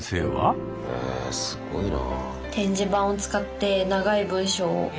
へえすごいな。